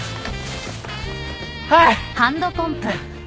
はい！